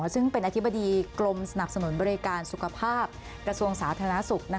ซึ่งเป็นอธิบดีกรมสนับสนุนบริการสุขภาพกระทรวงสาธารณสุข